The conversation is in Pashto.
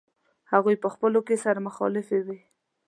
هغوی په خپلو کې سره مخالفې وې.